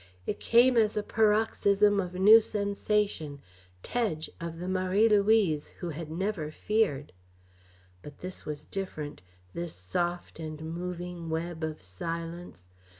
It came as a paroxysm of new sensation Tedge of the Marie Louise who had never feared. But this was different, this soft and moving web of silence.